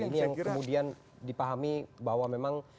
ini yang kemudian dipahami bahwa memang